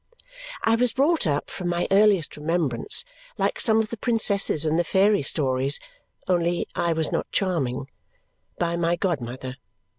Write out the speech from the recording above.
I was brought up, from my earliest remembrance like some of the princesses in the fairy stories, only I was not charming by my godmother.